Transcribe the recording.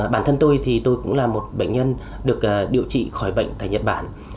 bản thân tôi thì tôi cũng là một bệnh nhân được điều trị khỏi bệnh tại nhật bản